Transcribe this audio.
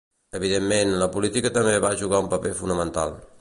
Evidentment, la política també va jugar un paper fonamental.